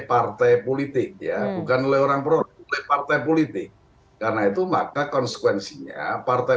partai politik ya bukan oleh orang pro oleh partai politik karena itu maka konsekuensinya partai